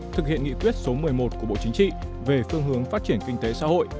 thực hiện nghị quyết số một mươi một của bộ chính trị về phương hướng phát triển kinh tế xã hội